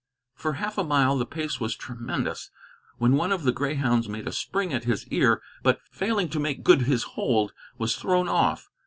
For half a mile the pace was tremendous, when one of the greyhounds made a spring at his ear, but, failing to make good his hold, was thrown off.